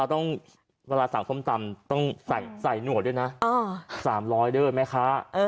ต้องเวลาสั่งส้มตำต้องใส่หนวดด้วยนะ๓๐๐เด้อแม่ค้า